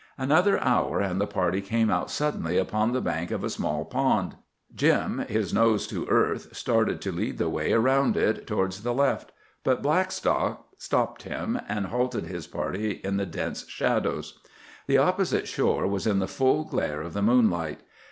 Another hour, and the party came out suddenly upon the bank of a small pond. Jim, his nose to earth, started to lead the way around it, towards the left. But Blackstock stopped him, and halted his party in the dense shadows. The opposite shore was in the full glare of the moonlight.